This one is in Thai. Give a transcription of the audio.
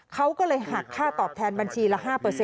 เขาก็เลยหักค่าตอบแทนบัญชีละ๕